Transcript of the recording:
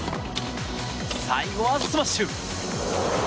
最後はスマッシュ！